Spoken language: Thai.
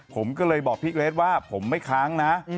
ผมก็เลยบอกพี่เกรทว่าผมไม่ค้างนะ